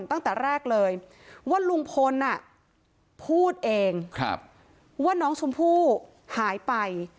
ตั้งแต่แรกเลยว่าลุงพลพูดเองว่าน้องชมพู่หายไป